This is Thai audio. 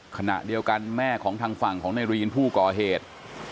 ขณะเดียวกันแม่ของทางฝั่งของในรีนผู้ก่อเหตุ